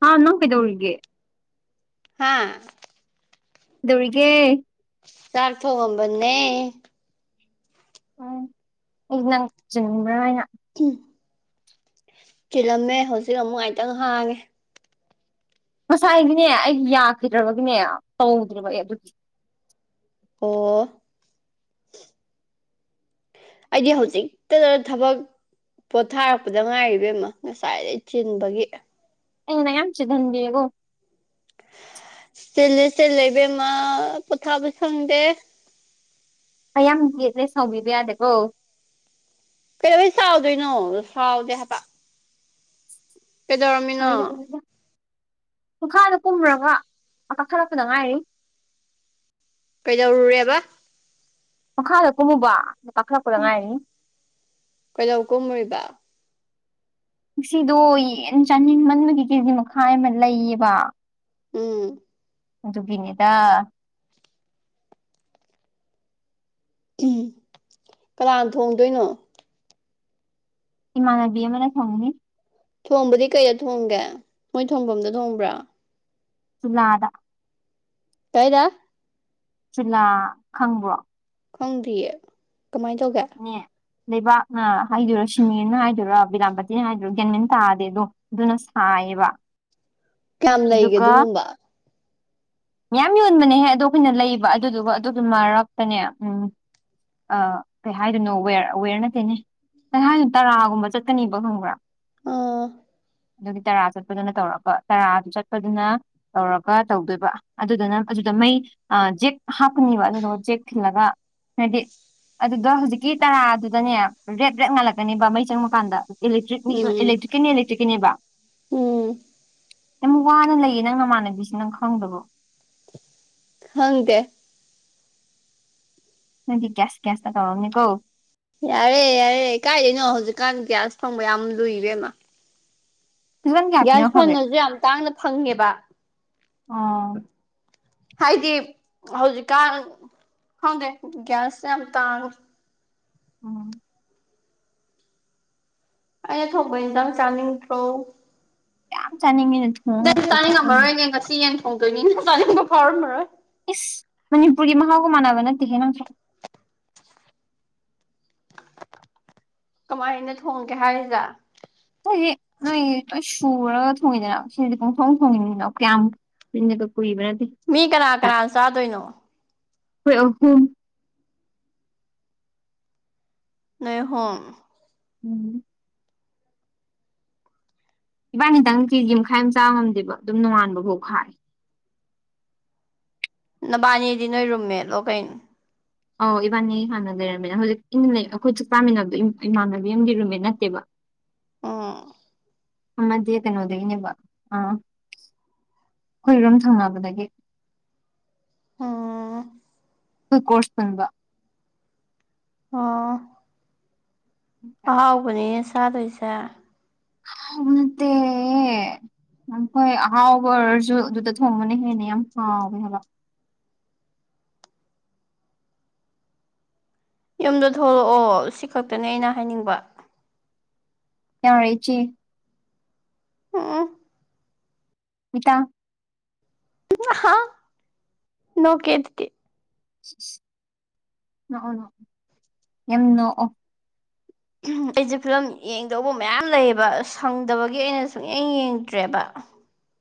ꯍꯥ ꯅꯪ ꯀꯩꯗꯧꯔꯤꯒꯦ ꯍꯥꯥ ꯀꯩꯗꯧꯔꯤꯒꯦ ꯆꯥꯛ ꯊꯣꯉꯝꯕꯟꯅꯦ ꯎꯝ ꯑꯩꯗꯤ ꯅꯪ ꯆꯤꯟꯕ꯭ꯔꯥ ꯍꯥꯢꯅ ꯇꯤ ꯆꯤꯜꯂꯝꯃꯦ ꯍꯧꯖꯤꯛ ꯑꯃꯨꯛ ꯉꯥꯏꯇꯪ ꯍꯥꯡꯉꯦ ꯉꯁꯥꯏꯒꯤꯅꯦ ꯑꯩ ꯌꯥꯈꯤꯗ꯭ꯔꯕꯒꯤꯅꯦ ꯇꯧꯗ꯭ꯔꯤꯕ ꯑꯩ ꯑꯗꯨꯒꯤ ꯑꯣ ꯑꯩꯗꯤ ꯍꯧꯖꯤꯛꯇꯗ ꯊꯕꯛ ꯄꯣꯊꯥꯔꯛꯄꯗ ꯉꯥꯏꯔꯤ ꯏꯕꯦꯝꯃ ꯉꯁꯥꯏꯗꯩ ꯆꯤꯟꯕꯒꯤ ꯑꯩꯅ ꯃꯌꯥꯝ ꯆꯤꯝꯍꯟꯕꯤꯌꯦꯕꯣ ꯆꯤꯜꯂꯦ ꯆꯤꯜꯂꯦ ꯏꯕꯦꯝꯃ ꯄꯣꯊꯥꯕ ꯁꯪꯗꯦ ꯑꯩ ꯌꯥꯝ ꯌꯦꯠꯂꯦ ꯁꯥꯎꯕꯤꯕ ꯌꯥꯗꯦꯀꯣ ꯀꯩꯗꯧꯕꯩ ꯁꯥꯎꯗꯣꯏꯅꯣ ꯁꯥꯎꯗꯦ ꯍꯥꯏꯕ ꯀꯩꯗꯧꯔꯝꯃꯤꯅꯣ ꯃꯈꯥꯗ ꯀꯨꯝꯃꯨꯔꯒ ꯀꯥꯈꯠꯂꯛꯄꯗ ꯉꯥꯏꯔꯤ ꯀꯩꯗꯧꯔꯨꯔꯦꯕ ꯃꯈꯥꯗ ꯀꯨꯝꯃꯨꯕ ꯀꯥꯈꯠꯂꯛꯄꯗ ꯑ ꯉꯥꯏꯔꯤ ꯀꯩꯗꯧ ꯀꯨꯝꯃꯨꯔꯤꯕ ꯉꯁꯤꯗꯣ ꯌꯦꯟ ꯆꯥꯅꯤꯡꯃꯟꯕꯒꯤ ꯀꯦꯖꯤ ꯃꯈꯥꯏ ꯑꯃ ꯂꯩꯌꯦꯕ ꯎꯝ ꯗꯨꯒꯤꯅꯦꯗ ꯎꯝ ꯀꯅꯥꯅ ꯊꯣꯡꯗꯣꯏꯅꯣ ꯏꯃꯥꯟꯅꯕꯤ ꯑꯃꯅꯥ ꯊꯣꯡꯒꯅꯤ ꯊꯣꯡꯕꯗꯤ ꯀꯩꯗ ꯊꯣꯡꯒꯦ ꯃꯣꯏ ꯊꯣꯡꯐꯝꯗ ꯊꯣꯡꯕ꯭ꯔꯥ ꯆꯨꯂꯥ ꯗ ꯀꯥꯢꯗ ꯆꯨꯂꯥ ꯈꯪꯕ꯭ꯔꯣ ꯈꯪꯗꯤꯌꯦ ꯀꯃꯥꯏ ꯇꯧꯒꯦ ꯅꯦ ꯂꯩꯕꯥꯛꯅ ꯍꯥꯏꯗꯣꯏꯔꯥ ꯁꯤꯃꯦꯟꯅ ꯍꯥꯏꯗꯣꯏꯔꯥ ꯕꯤꯂꯥꯝꯕꯥꯇꯤꯅ ꯍꯥꯏꯗꯣꯏꯔꯣ ꯒ꯭ꯌꯥꯟꯃꯦꯟ ꯇꯥꯗꯦ ꯑꯗꯣ ꯑꯗꯨꯅ ꯁꯥ ꯍꯥꯢꯕ ꯀꯌꯥꯝ ꯂꯩꯒꯦ ꯑꯗꯨꯒꯨꯝꯕ ꯃꯌꯥꯝ ꯌꯣꯟꯕꯅꯦꯍꯦ ꯑꯗꯣ ꯑꯩꯈꯣꯏꯅ ꯂꯩꯕ ꯑꯗꯨꯗꯨꯒ ꯑꯗꯨꯗꯨ ꯃꯔꯛꯇꯅꯦ ꯎꯝ ꯑ ꯀꯩ ꯍꯥꯏꯗꯣꯏꯅꯣ ꯋꯦꯔ ꯋꯦꯔ ꯅꯠꯇꯦꯅꯦ ꯀꯩꯍꯥꯏꯅꯤ ꯇꯔꯥꯒꯨꯝꯕ ꯆꯠꯀꯅꯦꯕ ꯈꯪꯕ꯭ꯔꯥ ꯑꯥ ꯑꯗꯨꯒꯤ ꯇꯔꯥ ꯆꯠꯄꯗꯨꯅ ꯇꯧꯔꯒ ꯇꯔꯥꯗꯨ ꯆꯠꯄꯗꯨꯅ ꯇꯧꯔꯒ ꯇꯧꯗꯣꯏꯕ ꯑꯗꯨꯗꯨꯅ ꯑꯗꯨꯗ ꯃꯩ ꯖꯦꯛ ꯍꯥꯞꯀꯅꯤꯕ ꯑꯗꯨꯗꯨ ꯖꯦꯛ ꯊꯤꯜꯂꯒ ꯍꯥꯏꯗꯤ ꯑꯗꯨꯗ ꯍꯧꯖꯤꯛꯀꯤ ꯇꯔꯥꯗꯨꯗꯅꯦ ꯔꯦꯠ ꯔꯦꯠ ꯉꯥꯜꯂꯛꯀꯅꯦꯕ ꯃꯩ ꯆꯪꯕꯀꯥꯟꯗ ꯏꯂꯦꯛꯇ꯭ꯔꯤꯛꯅꯤ ꯎꯝ ꯏꯂꯦꯛꯇ꯭ꯔꯤꯛꯀꯤꯅꯤ ꯏꯂꯦꯛꯇ꯭ꯔꯤꯛꯀꯤꯅꯦꯕ ꯎꯝ ꯌꯥꯝ ꯋꯥꯅ ꯂꯩꯌꯦ ꯅꯪ ꯅꯃꯥꯟꯅꯕꯤꯁꯦ ꯅꯪ ꯈꯪꯗꯕꯣ ꯈꯪꯗꯦ ꯅꯪꯗꯤ ꯒ꯭ꯌꯥꯁ ꯒ꯭ꯌꯥꯁꯇ ꯇꯧꯔꯝꯅꯤ ꯀꯣ ꯌꯥꯔꯦ ꯌꯥꯔꯦ ꯀꯥꯏꯗꯩꯅꯣ ꯍꯧꯖꯤꯛꯀꯥꯟ ꯒ꯭ꯌꯥꯁ ꯐꯪꯕ ꯌꯥꯝ ꯂꯨꯏ ꯏꯕꯦꯝꯃ ꯍꯧꯖꯤꯛꯀꯥꯟ ꯀꯌꯥ ꯒ꯭ꯌꯥꯁ ꯄꯤꯅꯈ꯭ꯔꯒꯦ ꯐꯪꯉꯁꯨ ꯌꯥꯝ ꯇꯥꯡꯅ ꯐꯪꯉꯦꯕ ꯑꯣ ꯍꯥꯏꯗꯤ ꯍꯧꯖꯤꯛꯀꯥꯟ ꯈꯪꯗꯦ ꯒ꯭ꯌꯥꯁ ꯌꯥꯝ ꯇꯥꯡꯉꯦ ꯎꯝ ꯑꯩꯅ ꯊꯣꯡꯕ ꯏꯟꯁꯥꯡ ꯆꯥꯅꯤꯡꯗ꯭ꯔꯣ ꯌꯥꯝ ꯆꯥꯅꯤꯡꯉꯦ ꯅꯪꯗꯤ ꯆꯥꯅꯤꯡꯉꯝꯃꯔꯣꯏꯅꯦ ꯉꯁꯤ ꯌꯦꯟ ꯊꯣꯡꯗꯣꯏꯅꯤꯅ ꯆꯥꯅꯤꯡꯕ ꯐꯥꯎꯔꯝꯃꯔꯣꯏ ꯏꯁ ꯃꯅꯤꯄꯨꯔꯒꯤ ꯃꯍꯥꯎꯒ ꯃꯥꯟꯅꯕ ꯅꯠꯇꯦꯍꯦ ꯅꯪꯁꯨ ꯀꯃꯥꯏꯅ ꯊꯣꯡꯒꯦ ꯍꯥꯏꯔꯤꯖꯦ ꯃꯣꯢꯗꯤ ꯅꯣꯢꯒꯤ ꯂꯣꯢ ꯁꯨ ꯄꯨꯔꯒ ꯊꯣꯡꯉꯤꯅꯦꯕ ꯁꯤꯗꯗꯤ ꯄꯣꯡꯊꯣꯡ ꯊꯣꯡꯉꯤꯅꯤꯅ ꯀꯌꯥꯝ ꯀꯨꯢꯅꯒ ꯃꯤ ꯀꯅꯥ ꯀꯅꯥꯅ ꯆꯥꯗꯣꯏꯅꯣ ꯈꯣꯏ ꯑꯍꯨꯝ ꯅꯣꯢ ꯑꯍꯨꯝ ꯎꯝ ꯏꯕꯥꯅꯤꯗꯪ ꯀꯦꯖꯤ ꯃꯈꯥꯏ ꯑꯃ ꯆꯥ ꯉꯝꯗꯦꯕ ꯑꯗꯨꯝ ꯅꯣꯡꯉꯥꯟꯕꯕꯨꯛ ꯈꯥꯛꯑꯦ ꯅꯕꯥꯅꯤꯗꯤ ꯅꯣꯏ ꯔꯨꯝ ꯃꯦꯠꯂꯣ ꯀꯩꯅꯣ ꯑꯧ ꯏꯕꯥꯅꯤ ꯍꯥꯟꯅ ꯂꯩꯔꯝꯃꯦꯅ ꯍꯧꯖꯤꯛ ꯏꯟꯂꯩ ꯑꯩꯈꯣꯏ ꯆꯥꯛ ꯆꯥꯃꯤꯟꯅꯕꯗꯣ ꯏꯃꯥꯟꯅꯕꯤ ꯑꯃꯒꯤ ꯔꯨꯝꯃꯦꯠ ꯅꯠꯇꯦꯕ ꯑꯣ ꯑꯃꯗꯤ ꯀꯩꯅꯣꯗꯒꯤꯅꯦꯕ ꯑ ꯑꯩꯈꯣꯏꯔꯨꯝ ꯊꯪꯅꯕꯗꯒꯤ ꯎꯝ ꯑꯈꯣꯢ ꯀꯣꯔꯁ ꯄꯨꯟꯕ ꯑꯣ ꯑꯍꯥꯎꯕꯅꯤꯅꯦ ꯆꯥꯗꯣꯏꯁꯦ ꯑꯍꯥꯎꯕ ꯅꯠꯇꯦ ꯑꯝ ꯍꯣꯏ ꯑꯍꯥꯎꯕ ꯑꯣꯏꯔꯁꯨ ꯑꯗꯨꯗ ꯊꯣꯡꯕꯅ ꯍꯦꯟꯅ ꯌꯥꯝ ꯍꯥꯎꯕꯅꯦ ꯍꯥꯏꯕ ꯌꯨꯝꯗ ꯊꯣꯛꯂꯛꯑꯣ ꯁꯤ ꯈꯛꯇꯅꯦ ꯑꯩꯅ ꯍꯥꯏꯅꯤꯡꯕ ꯌꯥꯔꯦ ꯢꯆꯦ ꯎꯝ ꯏꯇꯥ ꯑꯍꯥ ꯅꯣꯛꯀꯦ ꯑꯗꯨꯗꯤ ꯢꯁꯢꯁ ꯅꯣꯛꯑꯣ ꯅꯣꯛꯑꯣ ꯌꯥꯝ ꯅꯣꯛꯑꯣ ꯍꯝ ꯑꯩꯁꯦ ꯐꯤꯂꯝ ꯌꯦꯡꯗꯧꯕ ꯃꯌꯥꯝ ꯂꯩꯌꯦꯕ ꯁꯪꯗꯕꯒꯤ ꯑꯩꯅ ꯁꯨꯡꯌꯦꯡ ꯌꯦꯡꯗ꯭ꯔꯦꯕ [inaudible]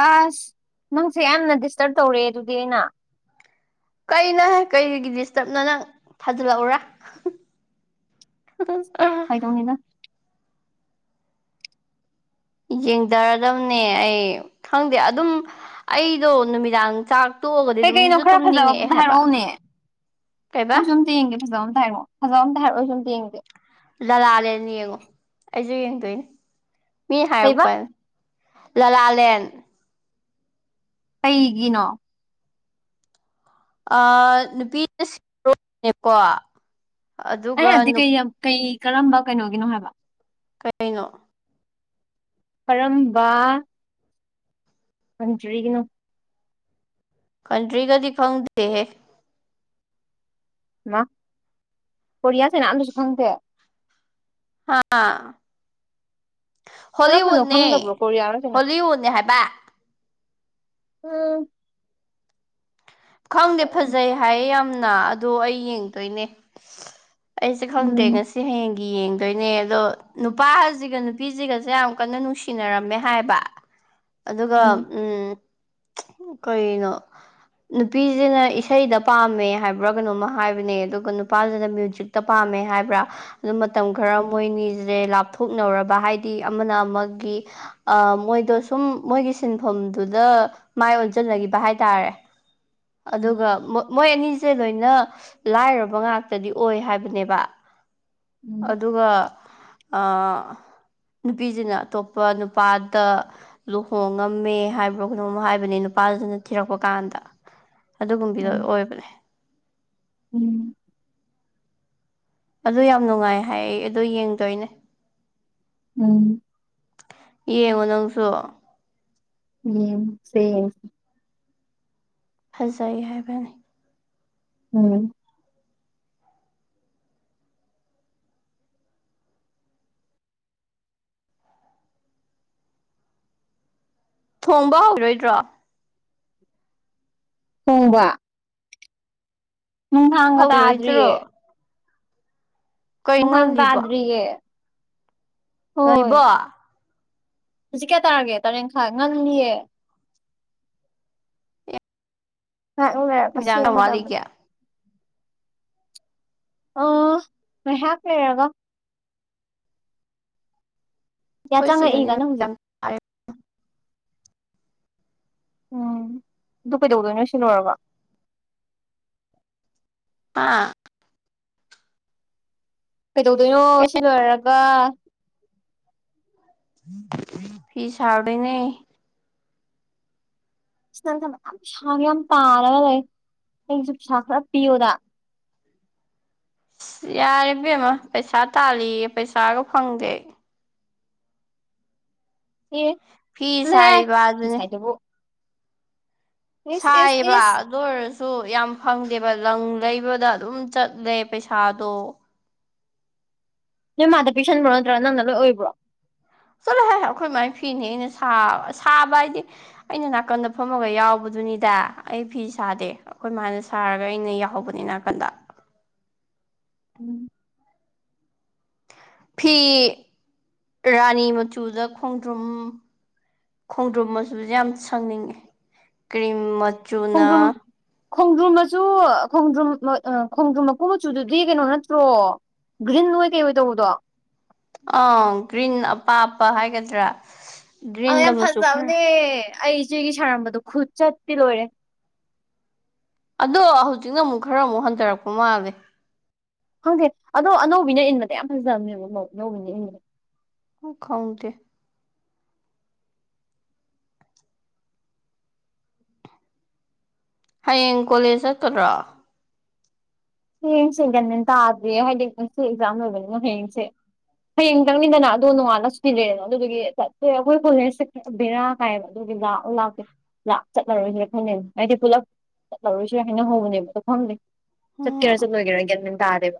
ꯑꯁ ꯅꯪꯁꯦ ꯌꯥꯝꯅ ꯗꯤꯁꯇꯔꯞ ꯇꯧꯔꯦ ꯑꯗꯨꯗꯤ ꯑꯩꯅ ꯀꯩꯅꯣꯍꯦ ꯀꯩꯔꯤꯒꯤ ꯗꯤꯁꯇꯔꯞꯅꯣ ꯅꯪ ꯊꯥꯖꯤꯜꯂꯛꯎꯔꯥ ꯍꯝꯍꯝ ꯍꯥ ꯐꯥꯒꯤ ꯇꯧꯅꯤꯗ ꯌꯦꯡꯗꯔꯗꯝꯅꯦ ꯑꯩ ꯈꯪꯗꯦ ꯑꯗꯨꯝ ꯑꯩꯗꯣ ꯅꯨꯃꯤꯗꯥꯡ ꯆꯥꯛ ꯇꯣꯛꯑꯒꯗꯤ ꯀꯩꯀꯩꯅꯣ ꯑꯗꯨꯝꯁꯨ ꯈꯔ ꯐꯖꯕ ꯇꯨꯝꯅꯤꯡꯉꯛꯑꯦ ꯑꯝꯇ ꯍꯥꯏꯕ ꯍꯥꯏꯔꯛꯎꯅꯦ ꯀꯩꯕꯥ ꯑꯩꯁꯨ ꯑꯝꯇ ꯌꯦꯡꯒꯦ ꯐꯖꯕ ꯑꯝꯇ ꯍꯥꯏꯔꯛꯑꯣ ꯐꯖꯕ ꯑꯝꯇ ꯍꯥꯏꯔꯑꯣ ꯑꯩꯁꯨ ꯑꯝ ꯌꯦꯡꯖꯦ ꯂꯂꯥꯜꯂꯦꯟ ꯌꯦꯡꯉꯣ ꯑꯩꯁꯨ ꯌꯦꯡꯗꯣꯏꯅꯦ ꯃꯤ ꯀꯩꯕ ꯍꯥꯏꯔꯛꯄꯅꯦ ꯂꯂꯥꯂꯦꯟ ꯀꯩꯒꯤꯅꯣ ꯑ ꯅꯨꯄꯤꯅ ꯁꯤ ꯔꯣ ꯅꯦ ꯀꯣ ꯑꯩꯅ ꯍꯥꯏꯕꯗꯤ ꯀꯩꯂꯝ ꯀꯩ ꯀꯔꯝꯕ ꯀꯩꯅꯣꯒꯤꯅꯣ ꯍꯥꯏꯕ ꯀꯩꯅꯣ ꯀꯔꯝꯕ ꯀꯟꯇ꯭ꯔꯤꯒꯤꯅꯣ ꯀꯟꯇ꯭ꯔꯤꯒꯥꯗꯤ ꯈꯪꯗꯦꯍꯦ ꯃꯥ ꯀꯣꯔꯤꯌꯥ ꯁꯦꯅꯥ ꯑꯝꯇꯁꯨ ꯈꯪꯗꯦ ꯍꯥꯥ ꯀꯔꯝꯕꯅꯣ ꯍꯣꯂꯤꯋꯨꯠꯅꯦ ꯈꯪꯗꯕ꯭ꯔꯣ ꯀꯣꯔꯤꯌꯥꯔ ꯆꯩꯅꯥ ꯍꯣꯂꯤꯋꯨꯠꯅꯦ ꯍꯥꯏꯕ ꯎꯝ ꯈꯪꯗꯦ ꯎꯝ ꯐꯖꯩ ꯍꯥꯏꯌꯦ ꯌꯥꯝꯅ ꯑꯗꯣ ꯑꯩ ꯌꯦꯡꯗꯣꯏꯅꯦ ꯑꯩꯁꯨ ꯈꯪꯗꯦ ꯉꯁꯤ ꯍꯌꯦꯡ ꯌꯦꯡꯗꯣꯏꯅꯦ ꯑꯗꯣ ꯅꯨꯄꯥꯖꯤꯒ ꯅꯨꯄꯤꯖꯤꯒꯁꯦ ꯌꯥꯝ ꯀꯟꯅ ꯅꯨꯡꯁꯤꯅꯔꯝꯃꯦ ꯍꯥꯏꯌꯦꯕ ꯑꯗꯨꯒ ꯎꯝ ꯀꯩꯅꯣ ꯅꯨꯄꯤꯖꯤꯅ ꯏꯁꯩꯗ ꯄꯥꯝꯃꯦ ꯍꯥꯏꯕ꯭ꯔꯥ ꯀꯩꯅꯣꯝꯃ ꯍꯥꯏꯕꯅꯦ ꯑꯗꯨꯒ ꯅꯨꯄꯥꯖꯤꯅ ꯃ꯭ꯌꯨꯖꯤꯛꯇ ꯄꯥꯝꯃꯦ ꯃꯦ ꯍꯥꯏꯕ꯭ꯔꯥ ꯑꯗꯨ ꯃꯇꯝ ꯈꯔ ꯎꯝ ꯃꯣꯏꯅꯤꯖꯦ ꯂꯥꯞ ꯊꯣꯛꯅꯧꯔꯕ ꯍꯥꯏꯗꯤ ꯑꯃꯅ ꯑꯃꯒꯤ ꯑꯥ ꯃꯣꯏꯗꯣ ꯁꯨꯝ ꯃꯣꯏꯒꯤ ꯁꯤꯟꯐꯝꯗꯨꯗ ꯑꯥ ꯃꯥꯏ ꯑꯣꯟꯁꯤꯟꯅꯈꯤꯕ ꯍꯥꯏꯇꯥꯔꯦ ꯑꯗꯨꯒ ꯃꯣ ꯃꯣꯏ ꯑꯅꯤꯁꯦ ꯂꯣꯏꯅ ꯂꯥꯏꯔꯕ ꯉꯥꯛꯇꯗꯤ ꯑꯣꯏ ꯍꯥꯏꯕꯅꯦꯕ ꯎꯝ ꯑꯗꯨꯒ ꯑ ꯅꯨꯄꯤꯖꯤꯅ ꯑꯇꯣꯞꯄ ꯅꯨꯄꯥꯗ ꯂꯨꯍꯣꯡꯉꯝꯃꯦ ꯍꯥꯏꯕ꯭ꯔꯣ ꯀꯩꯅꯣꯝ ꯍꯥꯏꯕꯅꯦ ꯄꯥꯖꯤꯅ ꯊꯤꯔꯛꯄ ꯀꯥꯟꯗ ꯑꯗꯨꯒꯨꯝꯕꯤꯗꯣ ꯎꯝ ꯑꯣꯏꯕꯅꯦ ꯎꯝ ꯑꯗꯨ ꯌꯥꯝ ꯅꯨꯡꯉꯥꯏ ꯍꯥꯏꯌꯦ ꯑꯩ ꯑꯗꯨ ꯌꯦꯡꯗꯣꯏꯅꯦ ꯎꯝ ꯌꯦꯡꯉꯣ ꯅꯪꯁꯨ ꯎꯝ ꯁꯦ ꯐꯖꯩ ꯍꯥꯏꯕꯅꯦ ꯎꯝ ꯊꯣꯡꯕ ꯍꯧꯒꯤꯔꯣꯏꯗ꯭ꯔꯣ ꯊꯣꯡꯕ ꯅꯨꯡꯊꯥꯡꯒ ꯍꯧꯔꯣꯏꯗ꯭ꯔꯣ ꯇꯥꯗ꯭ꯔꯤꯌꯦ ꯀꯩ ꯅꯨꯡꯊꯥꯡ ꯉꯜꯂꯤꯕꯣ ꯇꯥꯗ꯭ꯔꯤꯌꯦ ꯍꯣꯏ ꯅꯣꯔꯤꯕꯣ ꯍꯧꯖꯤꯛ ꯀꯌꯥ ꯇꯥꯔꯒꯦ ꯇꯔꯦꯠ ꯈꯥꯏ ꯉꯜꯂꯤꯌꯦ ꯉꯥ ꯎꯅꯔꯒ ꯅꯨꯃꯤꯗꯥꯡ ꯀꯌꯥꯝ ꯋꯥꯠꯂꯤꯒꯦ ꯁꯦꯝꯃꯗꯕꯅꯦ ꯑꯣ ꯉꯩꯍꯥꯛ ꯂꯩꯔꯒ ꯑꯩꯈꯣꯏ ꯌꯥꯆꯪꯉꯛꯏꯕ ꯁꯤꯗꯗꯤ ꯀꯟꯅ ꯍꯧꯖꯤꯛ ꯅꯨꯃꯤꯗꯥꯡ ꯇꯥꯔꯦ ꯎꯝ ꯑꯗꯨ ꯀꯩꯗꯧꯗꯣꯏꯅꯣ ꯁꯤ ꯂꯣꯏꯔꯒ ꯑꯥ ꯀꯩꯗꯧꯗꯣꯏꯅꯣ ꯁꯤ ꯂꯣꯏꯔꯒ ꯐꯤ ꯁꯥꯔꯨꯗꯣꯢꯅꯦ ꯁꯤ ꯅꯪ ꯊꯕꯛ ꯌꯥꯝ ꯄꯩꯁꯥꯒ ꯌꯥꯝ ꯇꯥꯜꯂꯒ ꯂꯩ ꯑꯩꯁꯨ ꯄꯩꯁꯥ ꯈꯔ ꯄꯤꯌꯣꯗ ꯑꯁ ꯌꯥꯔꯦ ꯕꯦꯝꯃ ꯄꯩꯁꯥ ꯇꯥꯜꯂꯤꯌꯦ ꯄꯩꯁꯥꯒ ꯐꯪꯗꯦ ꯑꯩ ꯑꯦ ꯐꯤ ꯆꯜꯂꯣꯍꯦ ꯁꯥꯔꯤꯕ ꯐꯤ ꯑꯗꯨꯅꯤ ꯁꯥꯏꯗꯨꯕꯨ ꯁꯥꯏꯌꯦꯕ ꯏꯁ ꯑꯗꯨ ꯑꯣꯏꯔꯁꯨ ꯌꯥꯝ ꯐꯪꯗꯦꯕ ꯂꯪ ꯂꯩꯕꯗ ꯑꯗꯨꯝ ꯆꯠꯂꯦ ꯄꯩꯁꯥꯗꯣ ꯅꯣꯏ ꯃꯥꯗ ꯄꯤꯁꯟꯕ꯭ꯔꯣ ꯅꯠꯇ꯭ꯔ ꯅꯪꯅ ꯂꯣꯏ ꯑꯣꯏꯕ꯭ꯔꯣ ꯑꯦ ꯑꯩꯈꯣꯏꯃꯥꯏ ꯐꯤꯅꯦ ꯑꯩꯅ ꯁꯥ ꯑ ꯁꯥꯕ ꯍꯥꯏꯗꯤ ꯑꯩꯅ ꯅꯥꯀꯟꯗ ꯐꯝꯃꯒ ꯌꯥꯎꯕꯗꯨꯅꯤꯗ ꯑꯩ ꯐꯤ ꯁꯥꯗꯦ ꯑꯩꯈꯣꯏ ꯃꯥꯅ ꯁꯥꯔꯒ ꯑꯩꯅ ꯌꯥꯎꯍꯧꯕꯅꯦ ꯅꯥꯀꯟꯗ ꯎꯝ ꯐꯤ ꯔꯥꯅꯤ ꯃꯆꯨꯗ ꯈꯣꯡꯗ꯭ꯔꯨꯝ ꯈꯣꯡꯗ꯭ꯔꯨꯝ ꯃꯆꯨꯁꯦ ꯌꯥꯝ ꯁꯪꯅꯤꯡꯉꯦ ꯀ꯭ꯔꯤꯝ ꯃꯆꯨꯅ ꯈꯣꯡꯗ꯭ꯔꯨꯝ ꯈꯣꯡꯗ꯭ꯔꯨꯝ ꯃꯆꯨ ꯈꯣꯡꯗ꯭ꯔꯨꯝ ꯃ ꯑ ꯈꯣꯡꯗ꯭ꯔꯨꯝ ꯃꯀꯨ ꯃꯆꯨꯗꯨꯗꯤ ꯀꯩꯅꯣ ꯅꯠꯇ꯭ꯔꯣ ꯒ꯭ꯔꯤꯟ ꯑꯣꯢ ꯀꯩ ꯑꯣꯏ ꯇꯧꯕꯗꯣ ꯑ ꯒ꯭ꯔꯤꯟ ꯑꯄꯥꯞꯄ ꯍꯥꯏꯒꯗ꯭ꯔꯥ ꯑ ꯒ꯭ꯔꯤꯟꯗ ꯌꯥꯝ ꯃꯆꯨ ꯈꯔ ꯐꯖꯕꯅꯦ ꯑꯩ ꯏꯆꯦꯒꯤ ꯁꯥꯔꯝꯕꯗꯣ ꯈꯨꯠ ꯆꯠꯇꯤ ꯂꯣꯏꯔꯦ ꯑꯗꯣ ꯍꯧꯖꯤꯛꯅ ꯑꯃꯨꯛ ꯈꯔ ꯑꯃꯨꯛ ꯍꯟꯊꯔꯛꯄ ꯃꯥꯜꯂꯦ ꯈꯪꯗꯦ ꯑꯗꯣ ꯑꯅꯧꯕꯤꯅ ꯏꯟꯕꯗ ꯌꯥꯝ ꯐꯖꯕꯅꯦꯕ ꯃꯧ ꯑꯅꯧꯕꯤꯅ ꯏꯟꯕꯗ ꯑꯣ ꯈꯪꯗꯦ ꯍꯌꯦꯡ ꯀꯣꯂꯦꯖ ꯆꯠꯀꯗ꯭ꯔꯣ ꯍꯌꯦꯡꯁꯦ ꯒ꯭ꯌꯥꯟꯃꯦꯟ ꯇꯥꯗ꯭ꯔꯤꯌꯦ ꯍꯥꯏꯗꯤ ꯉꯁꯤ ꯑꯦꯛꯖꯥꯝ ꯂꯕꯅꯤꯅꯣ ꯍꯌꯦꯡꯁꯦ ꯍꯌꯦꯡ ꯇꯪꯅꯤꯗꯅ ꯑꯗꯣ ꯅꯣꯡꯉꯥꯜꯂ ꯁꯨꯇꯤ ꯂꯩꯔꯦꯗꯅ ꯑꯗꯨꯗꯨꯒꯤ ꯆꯠꯁꯦꯔꯥ ꯑꯩꯈꯣꯏ ꯀꯣꯂꯦꯖꯁꯦ ꯄ ꯕꯦꯔꯥ ꯀꯥꯏꯕ ꯑꯗꯨ ꯖꯥ ꯎ ꯂꯥꯛꯇꯦ ꯂꯥꯛ ꯆꯠꯂꯔꯣꯏꯁꯤꯔ ꯈꯜꯂꯤꯅꯤ ꯑꯩꯗꯤ ꯄꯨꯂꯞ ꯆꯠꯂꯔꯣꯏꯁꯤꯔꯥ ꯍꯥꯏꯅꯍꯧꯕꯅꯦꯕ ꯗꯣ ꯈꯪꯗꯦ ꯆꯠꯀꯦꯔꯥ ꯎꯝ ꯆꯠꯂꯣꯏꯒꯦꯔꯥ ꯒꯌꯥꯟꯃꯦꯟ ꯇꯥꯗꯦꯕ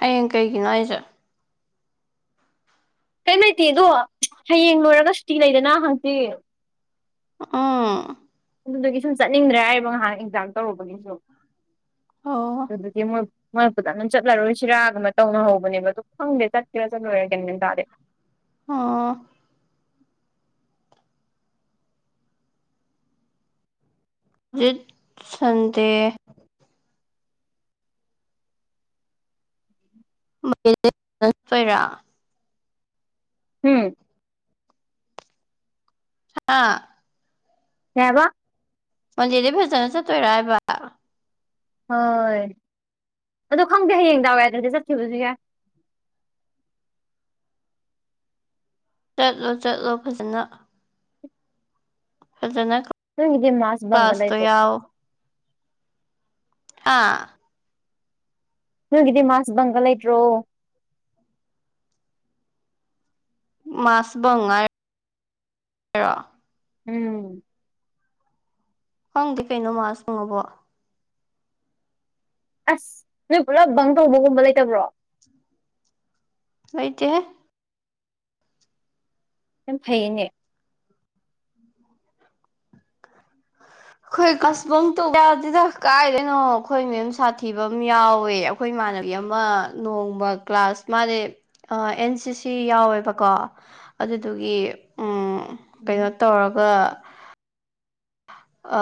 ꯍꯌꯦꯡ ꯀꯩꯒꯤꯅꯣ ꯍꯥꯏꯖꯦ ꯀꯩꯝ ꯂꯩꯇꯦ ꯗꯣ ꯍꯌꯦꯡ ꯂꯣꯏꯔꯒ ꯁꯨꯇꯤ ꯂꯩꯗꯅ ꯍꯪꯆꯤꯠ ꯎꯝ ꯑꯗꯨꯗꯨꯒꯤ ꯁꯨꯝ ꯆꯠꯅꯤꯡꯗ꯭ꯔꯦ ꯍꯥꯏꯕ ꯉꯥꯏꯍꯥꯛ ꯑꯦꯛꯖꯥꯥꯡ ꯇꯧꯔꯨꯕꯒꯤ ꯁꯨꯝ ꯑꯣ ꯗꯨꯗꯤ ꯃꯣꯏ ꯃꯣꯏ ꯐꯖꯅ ꯆꯠꯂꯔꯣꯏꯁꯤꯔꯥ ꯒꯨꯝꯕ ꯇꯧꯅꯥꯥꯥ ꯍꯧꯕꯅꯦꯕ ꯑꯗꯨ ꯈꯪꯗꯦ ꯆꯠꯀꯦꯔꯥ ꯆꯠꯂꯣꯔ ꯒ꯭ꯌꯥꯟ ꯃꯦꯟꯅ ꯇꯥꯗꯦ ꯑꯥ ꯆꯤꯠ ꯁꯟꯗꯦ [unintelligible] ꯎꯝ ꯍꯥꯥ ꯀꯩ ꯍꯥꯏꯕ ꯃꯟꯗꯦꯗꯩ ꯐꯖꯅ ꯆꯠꯇꯣꯏꯔꯑꯕ ꯍꯣꯏ ꯑꯗꯣ ꯈꯪꯗꯦ ꯍꯌꯦꯡ ꯗꯥꯎ ꯌꯥꯗ꯭ꯔꯗꯤ ꯆꯠꯈꯤꯕꯁꯨ ꯌꯥꯏ [inaudible] ꯆꯠꯂꯣ ꯆꯠꯂꯣ ꯐꯖꯅ ꯐꯖꯅ ꯅꯣꯏꯒꯤꯗꯤ ꯃꯥꯔꯁ ꯕꯪꯒ ꯀ꯭ꯂꯥꯁꯇꯣ ꯂꯩꯇ꯭ꯔꯣ ꯌꯥꯎ ꯍꯥ ꯅꯣꯢꯒꯤꯗꯤ ꯃꯥꯁꯕꯪꯒ ꯂꯩꯇ꯭ꯔꯣ ꯃꯥꯁ ꯕꯪ ꯍꯥꯏꯔꯣ ꯎꯝ ꯈꯪꯗꯦ ꯀꯩꯅꯣ ꯃꯥꯁ ꯕꯪ ꯑꯕꯣ ꯑꯁ ꯅꯣꯏ ꯄꯨꯂꯞ ꯕꯪ ꯇꯧꯕꯒꯨꯝꯕ ꯂꯩꯇꯕ꯭ꯔꯣ ꯂꯩꯇꯦꯍꯦ ꯌꯥꯝ ꯐꯩꯌꯦꯅꯦ [inaudible] ꯑꯩꯈꯣꯏ ꯀ꯭ꯂꯥꯁ ꯕꯪ ꯇꯧꯕ ꯌꯥꯗꯦꯗ ꯀꯥꯏꯗꯩꯅꯣ ꯑꯩꯈꯣꯏ ꯃꯦꯝ ꯁꯥꯊꯤꯕ ꯑꯃ ꯌꯥꯎꯋꯦ ꯑꯩꯈꯣꯏ ꯏꯃꯥꯟꯅ ꯕꯤ ꯑꯃ ꯅꯣꯡꯃ ꯀ꯭ꯂꯥꯁ ꯃꯥꯖꯦ ꯑ ꯑꯦꯟ ꯁꯤ ꯁꯤ ꯌꯥꯎꯋꯦꯕꯀꯣ ꯑꯗꯨꯗꯨꯒꯤ ꯑꯝ ꯎꯝ ꯀꯩꯅꯣ ꯇꯧꯔꯒ ꯀ [inaudible] ꯑ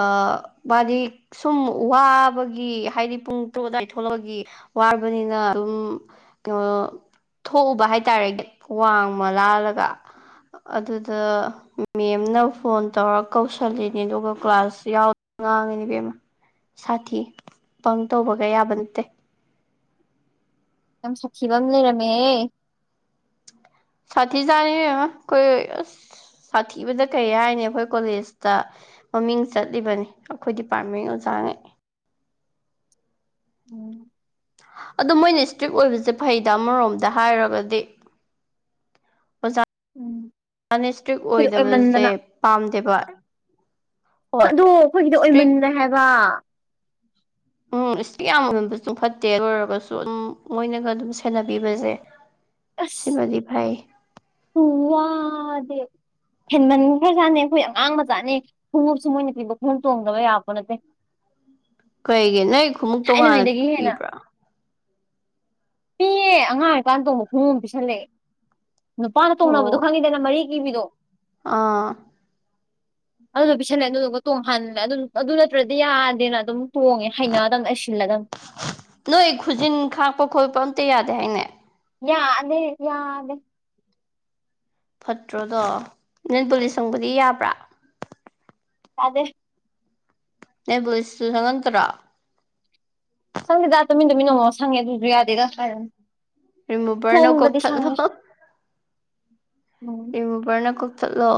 ꯃꯥꯗꯤ ꯁꯨꯝ ꯋꯥꯕꯒꯤ ꯍꯥꯏꯗꯤ ꯄꯨꯡ ꯇꯔꯨꯛ ꯑꯗꯨꯋꯥꯏ ꯊꯣꯛꯂꯛꯄꯒꯤ ꯋꯥꯔꯕꯅꯤꯅ ꯑꯗꯨꯝ ꯀꯩꯅꯣ ꯊꯣꯛꯎꯕ ꯍꯥꯏꯇꯥꯔꯦ ꯋꯥꯡꯃ ꯂꯥꯜꯂꯒ ꯑꯗꯨꯗ ꯃꯦꯝꯅ ꯐꯣꯟ ꯇꯧꯔ ꯀꯧꯁꯜꯂꯤꯅꯦ ꯑꯗꯨꯒ ꯀ꯭ꯂꯥꯁ ꯌꯥꯎꯗꯦꯅ ꯉꯥꯡꯉꯤꯅꯦ ꯏꯕꯦꯝꯃ ꯁꯥꯊꯤ ꯕꯪ ꯇꯧꯕꯒ ꯌꯥꯕ ꯅꯠꯇꯦ ꯌꯥꯝ ꯁꯥꯊꯤꯕ ꯑꯃ ꯂꯩꯔꯝꯃꯦꯍꯦ ꯁꯥꯊꯤꯖꯥꯠꯅꯤ ꯏꯕꯦꯝꯃ ꯈꯣꯢ ꯑꯁ ꯁꯥꯊꯤꯕꯗ ꯀꯩ ꯍꯥꯏꯅꯤ ꯑꯩꯈꯣꯏ ꯀꯣꯂꯦꯖꯇ ꯃꯃꯤꯡ ꯆꯠꯂꯤꯕꯅꯦ ꯑꯩꯈꯣꯏ ꯗꯤꯄꯥꯔꯠꯃꯦꯟ ꯑꯣꯖꯥ ꯑꯥꯢ ꯎꯝ ꯑꯗꯣ ꯃꯣꯏꯅ ꯏꯁꯇ꯭ꯔꯤꯛ ꯑꯣꯏꯕꯁꯦ ꯐꯩꯗ ꯑꯃꯔꯣꯝꯗ ꯍꯥꯏꯔꯒꯗꯤ ꯎꯝ ꯀꯟꯅ ꯁꯇ꯭ꯔꯤꯛ ꯑꯣꯏꯗꯕꯁꯦ ꯄꯥꯝꯗꯦꯕ ꯍꯣꯏ ꯑꯗꯣ ꯑꯩꯈꯣꯏꯒꯤꯗꯣ ꯏꯁꯇ꯭ꯔꯤꯛ ꯑꯣꯏꯃꯟꯂꯦ ꯍꯥꯏꯕ ꯎꯝ ꯁꯇ꯭ꯔꯤꯛ ꯌꯥꯝꯃꯟꯕꯁꯨ ꯐꯠꯇꯦ ꯑꯗꯨꯑꯣꯢꯔꯒꯁꯨ ꯃꯣꯏꯅꯒ ꯑꯗꯨꯝ ꯁꯦꯟꯅꯕꯤꯕꯁꯦ ꯁꯤꯃꯗꯤ ꯐꯩ ꯍꯨ ꯋꯥꯗꯦ ꯍꯦꯟꯃꯟ ꯈꯔꯖꯥꯠꯅꯦ ꯑꯩꯈꯣꯏ ꯑꯉꯥꯡ ꯃꯆꯥꯅꯦ ꯈꯣꯡꯎꯞꯁꯨ ꯃꯣꯏꯅ ꯄꯤꯕ ꯈꯣꯡꯎꯞ ꯇꯣꯡꯗꯕ ꯌꯥꯄꯣꯠ ꯅꯠꯇꯦ [inaudible] ꯀꯩꯒꯤ ꯅꯣꯢ ꯈꯨꯎꯞ ꯇꯣꯉꯥꯟꯅ ꯊꯥꯏꯅꯉꯩꯗꯒꯤ ꯄꯤꯕ꯭ꯔꯥ ꯄꯤꯌꯦ ꯑꯉꯥꯡ ꯑꯣꯏꯀꯥꯟ ꯇꯣꯡꯕ ꯈꯣꯡꯎꯞ ꯑꯃ ꯄꯤꯁꯜꯂꯛꯑꯦ ꯅꯨꯄꯥꯅ ꯑꯣ ꯇꯣꯡꯅꯕꯗꯣ ꯈꯪꯉꯤꯗꯅ ꯃꯔꯤ ꯀꯤꯕꯤꯗꯣ ꯑꯥ ꯑꯗꯨꯗꯣ ꯄꯤꯁꯜꯂꯦ ꯑꯗꯨꯗꯨꯒ ꯇꯣꯡꯍꯜꯂꯦ ꯑꯗꯨ ꯅꯠꯇ꯭ꯔꯗꯤ ꯌꯥꯗꯦꯅ ꯑꯗꯨꯝ ꯇꯣꯡꯉꯦ ꯍꯩꯅꯗꯕꯅ ꯑꯩ ꯁꯤꯜꯂꯗꯕꯅꯤ ꯅꯣꯏ ꯈꯨꯖꯤꯟ ꯈꯥꯛꯄ ꯈꯣꯠꯄ ꯑꯝꯇ ꯌꯥꯗꯦ ꯍꯥꯏꯅꯦ ꯌꯥꯗꯦ ꯌꯥꯗꯦ ꯐꯠꯇ꯭ꯔꯣꯗꯣ ꯅꯦꯜꯄꯨꯂꯤꯁ ꯁꯪꯕꯗꯤ ꯌꯥꯕ꯭ꯔꯥ ꯌꯥꯗꯦ ꯅꯦꯜ ꯄꯨꯂꯤꯁꯁꯨ ꯁꯪꯉꯛꯇꯔꯣ ꯁꯪꯗꯦꯗ ꯇꯨꯃꯤꯟ ꯇꯃꯤꯟ ꯑꯃꯨꯃꯨꯛ ꯁꯪꯉꯦ ꯑꯗꯨꯁꯨ ꯌꯥꯗꯦꯗ ꯀꯥꯢꯗꯩꯅꯣ ꯔꯤꯃꯨꯚꯔꯅ ꯈꯣꯡꯗꯗꯤ ꯀꯣꯛꯊꯠꯂꯣ ꯁꯪꯉꯦ ꯎꯝ ꯔꯤꯃꯨꯕꯔꯅ ꯀꯣꯛꯊꯠꯂꯣ